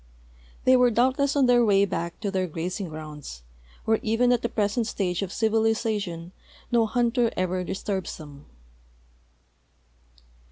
They were doubtless on their way back to their grazing grounds, where even at the present stage of civilization no hunter ever disturbs them.